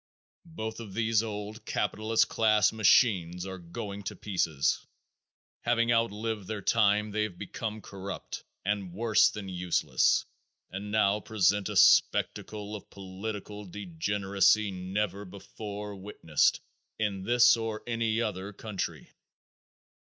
Both of these old capitalist class machines are going to pieces. Having outlived their time they have become corrupt and worse than useless and now present a spectacle of political degeneracy never before witnessed in this or any other country.